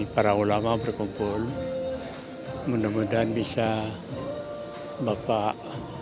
para ulama berkumpul mudah mudahan bisa bapak